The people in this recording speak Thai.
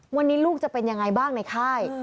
วันนี้ลูกจะเป็นยังไงบ้างในค่าย